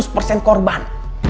seratus persen korban